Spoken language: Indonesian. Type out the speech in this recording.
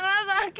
nara aku mau ikut